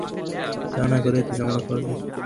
তা না করে এত ঝামেলা করলে।